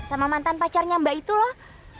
sama mantan pacarnya mbak itu loh